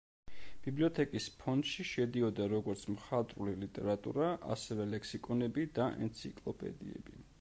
ბიბლიოთეკის ფონდში შედიოდა როგორც მხატვრული ლიტერატურა, ასევე ლექსიკონები და ენციკლოპედიები.